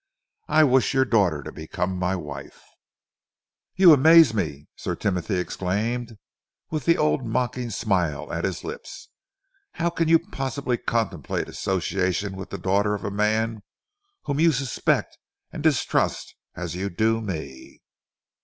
"I wish your daughter to become my wife." "You amaze me!" Sir Timothy exclaimed, with the old mocking smile at his lips. "How can you possibly contemplate association with the daughter of a man whom you suspect and distrust as you do me?"